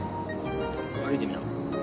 歩いてみな。